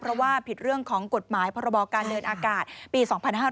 เพราะว่าผิดเรื่องของกฎหมายพรบการเดินอากาศปี๒๕๕๙